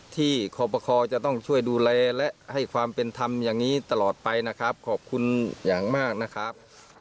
ขอประคอจะต้องช่วยดูแลและให้ความเป็นธรรมอย่างนี้ตลอดไปนะครับขอบคุณอย่างมากนะครับ